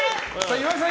岩井さん